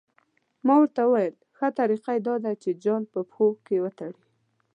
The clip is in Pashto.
ما ورته وویل ښه طریقه یې دا ده چې جال په پښو کې وتړي.